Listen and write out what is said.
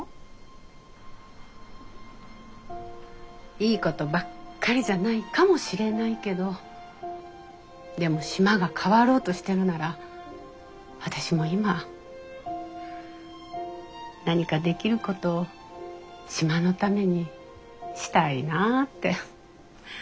いいことばっかりじゃないかもしれないけどでも島が変わろうとしてるなら私も今何かできることを島のためにしたいなってそう思ったのよ。